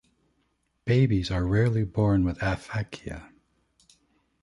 Babies are rarely born with aphakia.